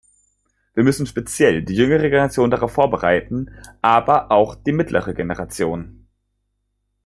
Wir müssen speziell die jüngere Generation darauf vorbereiten, aber auch die mittlere Generation.